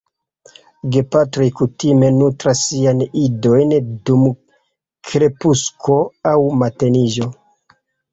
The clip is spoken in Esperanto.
Gepatroj kutime nutras siajn idojn dum krepusko aŭ mateniĝo.